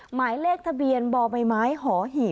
หมายเลขทะเบียนบบหห๗๔๔๙